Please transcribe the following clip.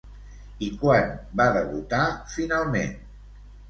I quan va debutar finalment?